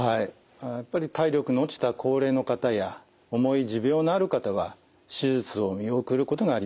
やっぱり体力の落ちた高齢の方や重い持病のある方は手術を見送ることがあります。